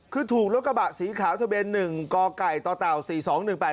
คือถูกรถกระบะสีขาวทะเบียนหนึ่งกไก่ต่อเต่าสี่สองหนึ่งแปด